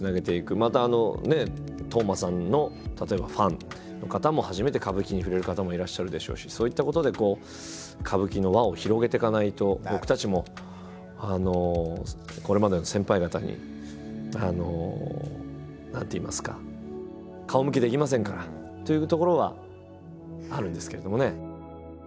また斗真さんの例えばファンの方も初めて歌舞伎に触れる方もいらっしゃるでしょうしそういったことで歌舞伎の輪を広げていかないと僕たちもこれまでの先輩方に何ていいますか顔向けできませんからというところがあるんですけれどもね。